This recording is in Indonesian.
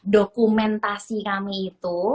dokumentasi kami itu